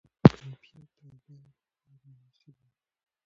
کیفیت او بیه باید متناسب وي.